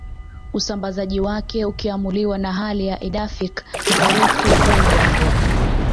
Usambazaji wake ukiamuliwa na hali edaphic na urefu wa udongo